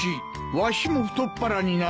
わしも太っ腹になろう。